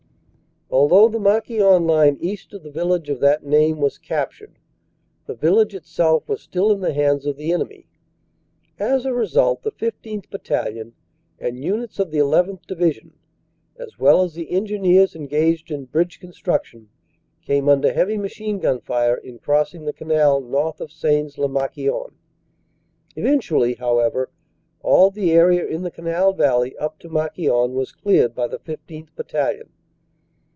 "Although the Marquion line east of the village of that name was captured, the village itself was still in the hands of the enemy. As a result, the 15th. Battalion and Units of the 1 1th. Division, as well as the Engineers engaged in bridge con struction, came under heavy machine gun fire in crossing the Canal north of Sains lez Marquion. Eventually, however, all the area in the canal valley up to Marquion was cleared by the 15th. Battalion.